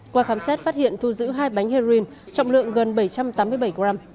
qua khám xét phát hiện thu giữ hai bánh heroin trọng lượng gần bảy trăm tám mươi bảy gram